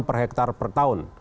per hektar per tahun